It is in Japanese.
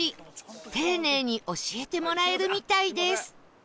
丁寧に教えてもらえるみたいです